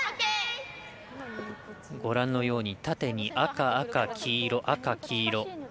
ご覧のように縦に赤、赤、黄色赤、黄色。